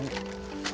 ini buat aku